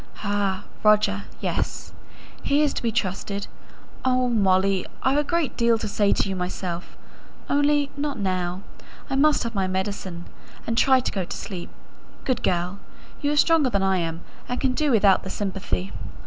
"Ah, Roger! yes. He is to be trusted. Oh, Molly! I've a great deal to say to you myself, only not now. I must have my medicine and try to go to sleep. Good girl! You are stronger than I am, and can do without sympathy."